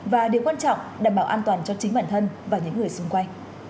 và điều quan trọng đảm bảo an toàn cho chính bản thân và những người xung quanh